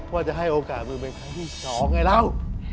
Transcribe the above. ว่าจะให้โอกาสมึงเป็นใครที่สองไงเรา